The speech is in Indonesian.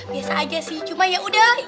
biasa aja sih cuma yaudah